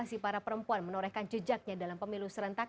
bagaimana partisipasi para perempuan menorehkan jejaknya dalam pemilu serentak